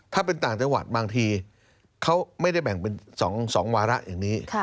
ถ้าเป็นต่างจังหวัดบางทีเขาไม่ได้แบ่งเป็น๒วาระอย่างนี้